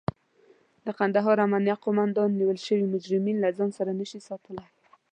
د کندهار امنيه قوماندان نيول شوي مجرمين له ځان سره نشي ساتلای.